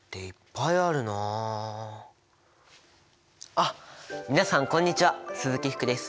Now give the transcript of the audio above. あっ皆さんこんにちは鈴木福です。